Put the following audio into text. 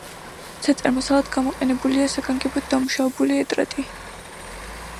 საწერ მასალად გამოყენებულია საგანგებოდ დამუშავებული ეტრატი.